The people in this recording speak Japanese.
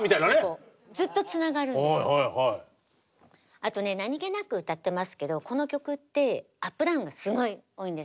あとね何げなく歌ってますけどこの曲ってアップダウンがすごい多いんですよ。